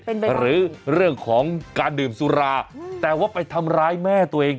หรือเรื่องของการดื่มสุราแต่ว่าไปทำร้ายแม่ตัวเอง